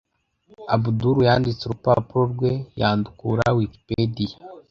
Abudul yanditse urupapuro rwe yandukura-Wikipedia.